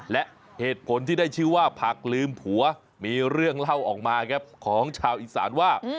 และเหตุผลที่ได้ชื่อว่าผักลืมผัวมีเรื่องเล่าออกมาครับของชาวอีสานว่า